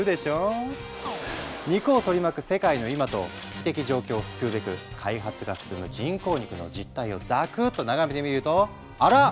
肉を取り巻く世界の今と危機的状況を救うべく開発が進む人工肉の実態をザクッと眺めてみるとあら！